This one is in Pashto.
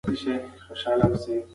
ماشوم د مور له چلند صبر زده کوي.